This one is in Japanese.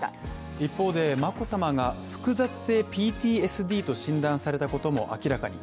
一方で眞子さまが複雑性ＰＴＳＤと診断されたことも明らかに。